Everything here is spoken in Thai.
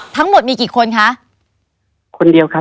ทั้งหมดมีกี่คนคะ